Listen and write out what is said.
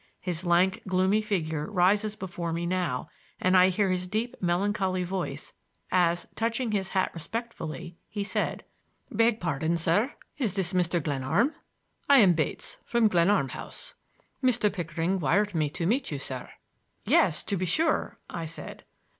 His lank gloomy figure rises before me now, and I hear his deep melancholy voice, as, touching his hat respectfully, be said: "Beg pardon, sir; is this Mr. Glenarm? I am Bates from Glenarm House. Mr. Pickering wired me to meet you, sir." "Yes; to be sure," I said.